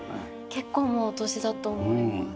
結構もうお年だと思います。